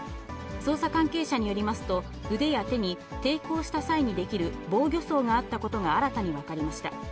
捜査関係者によりますと、腕や手に抵抗した際に出来る防御創があったことが新たに分かりました。